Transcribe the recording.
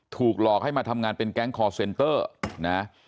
ถูกหลอกให้มาทำงานเป็นแก๊งคอร์เซนเตอร์นะ